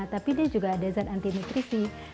tapi dia juga ada zat anti nutrisi